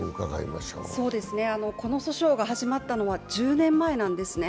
この訴訟が始まったのは１０年前なんですね。